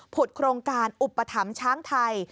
ผุดโครงการอุปธรรมช้างไทย